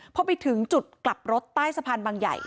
พอไปถึงจุดกลับรถใต้สะพานบางใหญ่